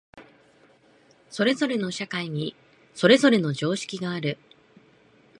それぞれの社会にそれぞれの常識がある。